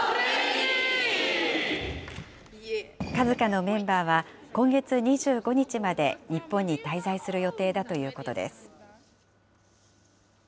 ＫＡＺＫＡのメンバーは、今月２５日まで、日本に滞在する予定だということです。